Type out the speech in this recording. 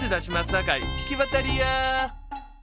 さかいきばったりや。